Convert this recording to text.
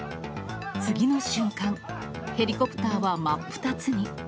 次の瞬間、ヘリコプターは真っ二つに。